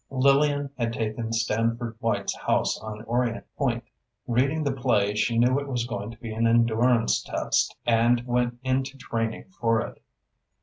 Lillian had taken Stanford White's house on Orienta Point. Reading the play, she knew it was going to be an endurance test, and went into training for it.